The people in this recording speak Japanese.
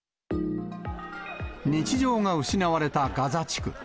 日常が失われたガザ地区。